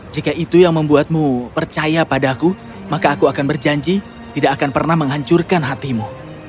jika itu yang membuatmu percaya padaku maka aku akan berjanji tidak akan pernah menghancurkan hatimu